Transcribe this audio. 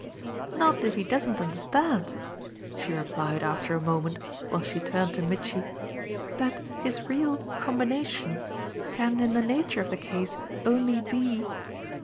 "Not if he doesn't understand," she replied after a moment while she turned to Mitchy, "that his real 'combination' can in the nature of the case only be